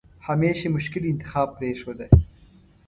همېش یې مشکل انتخاب پرېښوده.